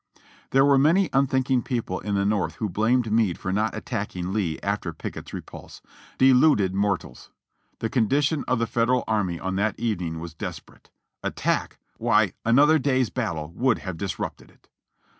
There were many unthinking people in the North who blamed Meade for not attacking Lee after Pickett's repulse. Deluded m.ortals ! the condition of the Federal army on that evening was desperate. Attack! Why! another day's battle would have dis rupted it.